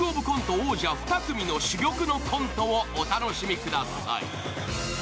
王者２組の珠玉のコントをお楽しみください。